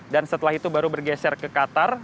dan setelah itu baru bergeser ke qatar